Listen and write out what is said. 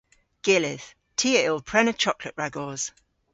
Gyllydh. Ty a yll prena choklet ragos.